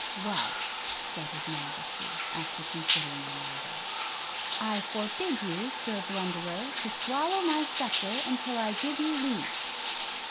"Well," said his Majesty, after considering the matter, "I forbid you, Sir Blunderer, to swallow my sceptre until I give you leave."